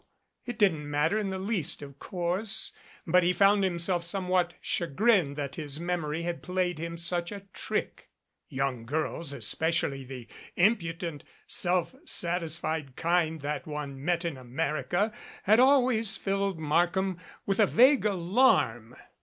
It didn't matter in the least of course, but he found himself somewhat chagrined that his memory had played him such a trick. Young girls, especially the impudent, self satisfied kind that one met in America, had always filled Markham with a vague alarm.